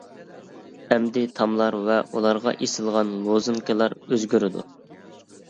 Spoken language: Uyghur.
ئەمدى تاملار ۋە ئۇلارغا ئېسىلغان لوزۇنكىلار ئۆزگىرىدۇ.